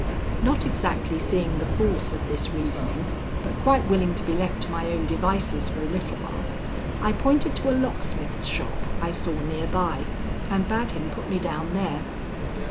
Not exactly seeing the force of this reasoning, but quite willing to be left to my own devices for a little while, I pointed to a locksmith's shop I saw near by, and bade him put me down there.